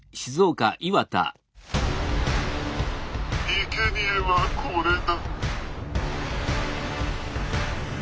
「いけにえはこれだ」。